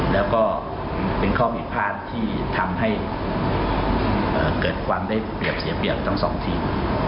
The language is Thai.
แล้วก็เป็นข้อผิดพลาดที่ทำให้เกิดความได้เปรียบเสียเปรียบทั้งสองทีม